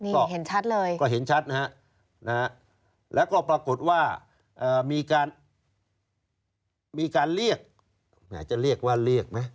นี่เห็นชัดเลยก็เห็นชัดนะฮะแล้วก็ปรากฏว่ามีการมีการเรียกจะเรียกว่าเรียกไหม